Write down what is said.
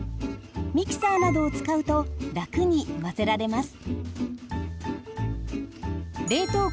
ミキサーなどを使うと楽に混ぜられます。